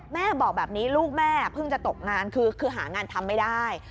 แม่บอกแบบนี้ลูกแม่เพิ่งจะตกงานคือหางานทำไม่ได้